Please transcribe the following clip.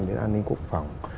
đến an ninh quốc phòng